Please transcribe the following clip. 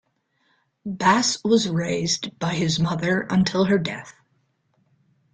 Bass was raised by his mother until her death.